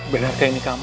benarkah ini kamu